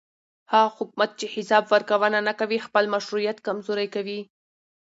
هغه حکومت چې حساب ورکوونه نه کوي خپل مشروعیت کمزوری کوي